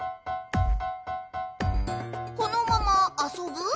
このままあそぶ？